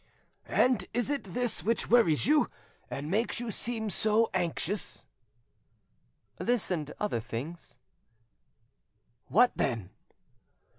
"And is it this which worries you, and makes you seem so anxious?" "This and other things." "What, then?"